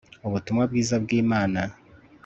ubutumwa bwiza bwi mana